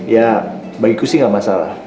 ya bagiku sih nggak masalah